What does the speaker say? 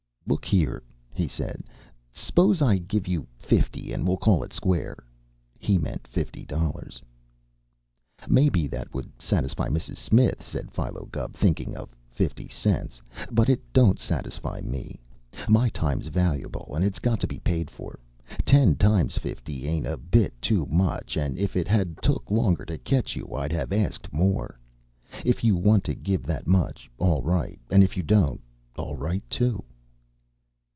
"Look here," he said. "S'pose I give you fifty and we call it square." He meant fifty dollars. "Maybe that would satisfy Mrs. Smith," said Philo Gubb, thinking of fifty cents, "but it don't satisfy me. My time's valuable and it's got to be paid for. Ten times fifty ain't a bit too much, and if it had took longer to catch you I'd have asked more. If you want to give that much, all right. And if you don't, all right too."